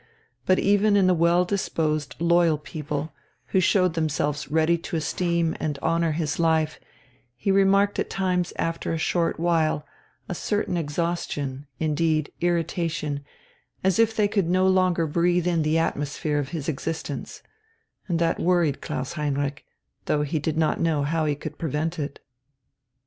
But even in the well disposed, loyal people, who showed themselves ready to esteem and honour his life, he remarked at times after a short while a certain exhaustion, indeed irritation, as if they could no longer breathe in the atmosphere of his existence; and that worried Klaus Heinrich, though he did not know how he could prevent it.